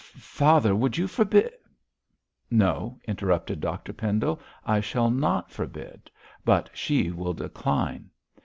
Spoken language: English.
'Father, would you forbid ?' 'No,' interrupted Dr Pendle. 'I shall not forbid; but she will decline.